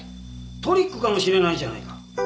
トリックかもしれないじゃないか。